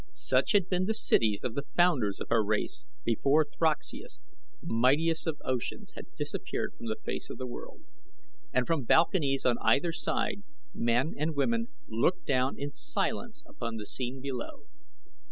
Such had been the cities of the founders of her race before Throxeus, mightiest of oceans, had disappeared from the face of a world. And from balconies on either side men and women looked down in silence upon the scene below.